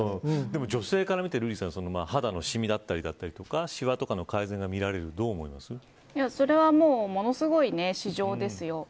女性から見て、瑠麗さん肌のシミだったりしわなどの改善がみられるそれはものすごい市場ですよ。